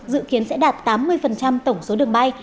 dự kiến sẽ đạt tám mươi tổng số đường bay